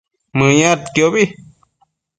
Mëyadquiobi